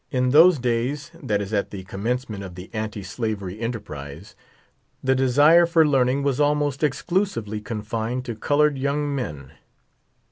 In those days, that is at the commencement of the anti slavery enterprise, the desire for learning was almost exclusively confined to colored young men.